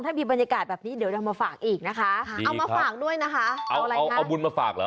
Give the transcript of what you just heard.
ถ้ามีบรรยากาศแบบนี้เดี๋ยวเรามาฝากอีกนะคะเอาไว้ฝากด้วยนะคะอะไรนะดีคะเอามุลมาฝากหรอ